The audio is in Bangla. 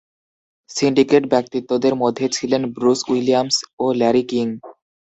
সিন্ডিকেট ব্যক্তিত্বদের মধ্যে ছিলেন ব্রুস উইলিয়ামস ও ল্যারি কিং।